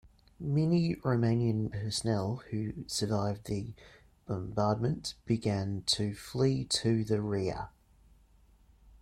Many Romanian personnel who survived the bombardment began to flee to the rear.